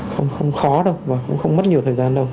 không khó đâu và cũng không mất nhiều thời gian đâu